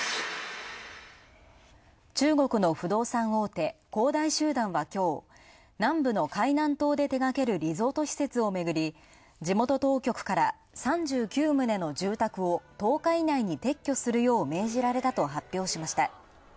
中国の不動産大手、恒大集団は今日、南部の海南島で手がけるリゾート施設をめぐり地元当局から３９棟の住宅を十日以内に撤去するよう命じられたと発表しました。